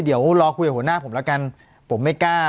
เดี๋ยวรอคุยกับหัวหน้าผมแล้วกันผมไม่กล้า